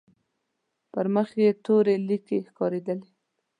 پر مخ يې تورې ليکې ښکارېدلې.